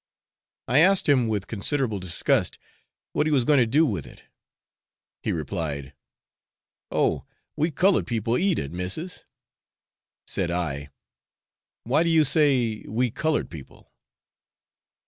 I asked him with considerable disgust what he was going to do with it, he replied, 'Oh! we coloured people eat it, missis;' said I, 'Why do you say we coloured people?'